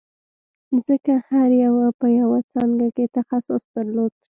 ځکه هر یوه په یوه څانګه کې تخصص درلود